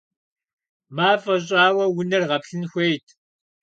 МафӀэ щӀауэ унэр гъэплъын хуейт.